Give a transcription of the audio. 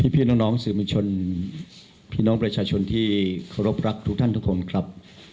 พี่น้องสื่อมวลชนพี่น้องประชาชนที่เคารพรักทุกท่านทุกคนครับ